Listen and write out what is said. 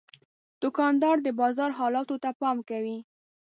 دوکاندار د بازار حالاتو ته پام کوي.